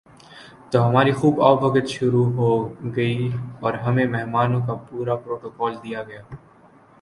تو ہماری خوب آؤ بھگت شروع ہو گئی اور ہمیں مہمانوں کا پورا پروٹوکول دیا گیا ۔